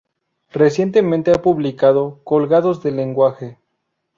Recientemente ha publicado "Colgados del lenguaje.